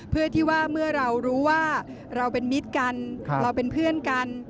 เพื่อที่ว่าเมื่อเรารู้ว่าเราเป็นมิตรกันเราเป็นเพื่อนกัน